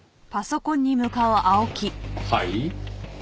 はい？